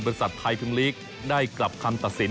บริษัทไทยพิมพ์ลีกได้กลับคำตัดสิน